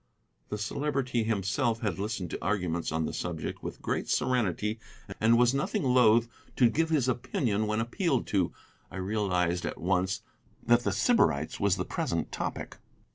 The Celebrity himself had listened to arguments on the subject with great serenity, and was nothing loth to give his opinion when appealed to. I realized at once that 'The Sybarites' was the present topic.